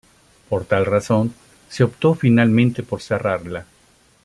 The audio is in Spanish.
Por tal razón, se optó finalmente por cerrarla.